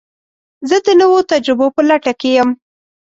زه د نوو تجربو په لټه کې یم.